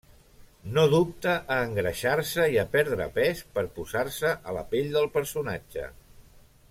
No dubta a engreixar-se i a perdre pes per posar-se a la pell del personatge.